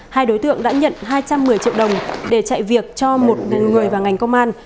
hai đối tượng đã nhận hai trăm một mươi triệu đồng để chạy việc cho một người và ngành công an